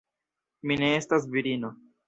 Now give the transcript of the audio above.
Mi ne estas virino.